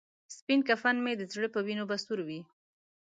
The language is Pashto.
سپین کفن مې د زړه په وینو به سور وي.